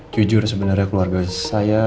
jujur sebenarnya keluarga saya